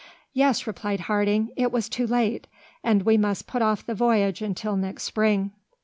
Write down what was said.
"Yes," replied Harding, "it was too late, and we must put off the voyage until next spring."